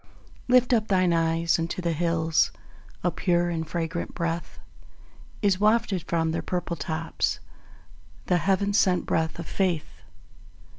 Lift up thine eyes unto the hills; A pure and fragrant breath Is wafted from their purple tops, The Heaven sent breath of Faith.